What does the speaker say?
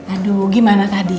aduh gimana tadi